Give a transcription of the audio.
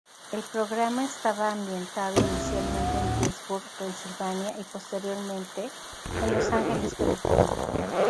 El programa estaba ambientado inicialmente en Pittsburgh, Pensilvania y posteriormente en Los Ángeles, California.